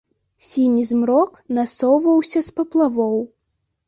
Сіні змрок насоўваўся з паплавоў.